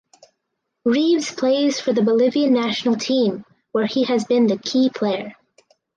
Reaves plays for the Bolivian national team where he has been the key player.